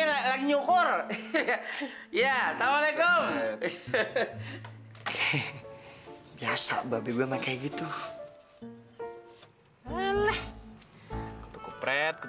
enggak enggak aku gak mau opi kok